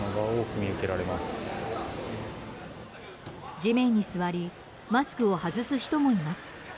地面に座りマスクを外す人もいます。